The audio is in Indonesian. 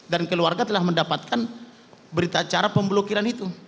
dan keluarga telah mendapatkan berita acara pemblokiran itu